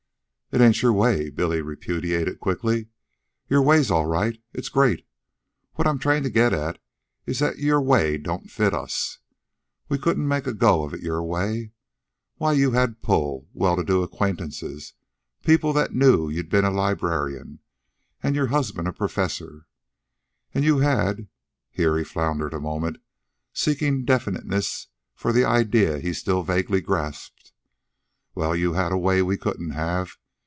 "It ain't your way," Billy repudiated quickly. "Your way's all right. It's great. What I'm trying to get at is that your way don't fit us. We couldn't make a go of it your way. Why you had pull well to do acquaintances, people that knew you'd been a librarian an' your husband a professor. An' you had...." Here he floundered a moment, seeking definiteness for the idea he still vaguely grasped. "Well, you had a way we couldn't have.